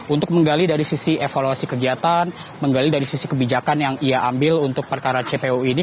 untuk menggali dari sisi evaluasi kegiatan menggali dari sisi kebijakan yang ia ambil untuk perkara cpu ini